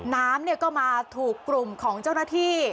น้ำก็มาถูกกลุ่มของเจ้าหน้าที่